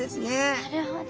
なるほど。